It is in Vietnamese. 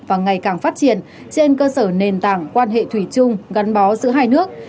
và ngày càng phát triển trên cơ sở nền tảng quan hệ thủy chung gắn bó giữa hai nước